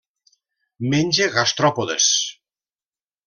Menja gastròpodes.